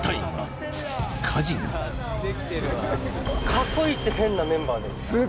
過去イチ変なメンバーです